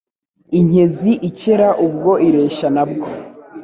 Inkezi ikera ubwo ireshya na bwo